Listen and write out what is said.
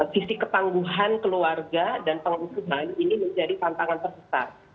sisi ketangguhan keluarga dan pengusutan ini menjadi tantangan terbesar